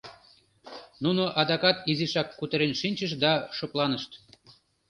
Нуно адакат изишак кутырен шинчышт да шыпланышт.